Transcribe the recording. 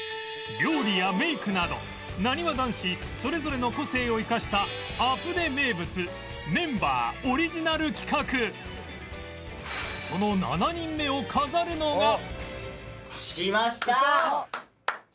料理やメイクなどなにわ男子それぞれの個性を生かした『アプデ』名物メンバーオリジナル企画来ました！